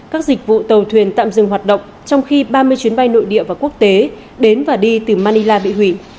các dịch vụ tàu thuyền tạm dừng hoạt động trong khi ba mươi chuyến bay nội địa và quốc tế đến và đi từ manila bị hủy